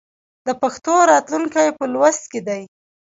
د پښتو راتلونکی په لوست کې دی.